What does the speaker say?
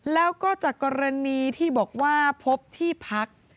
แล้วก็จากกรณีที่บอกว่าพบที่พัก